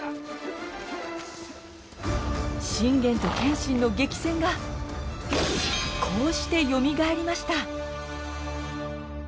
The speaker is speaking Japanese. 信玄と謙信の激戦がこうしてよみがえりました。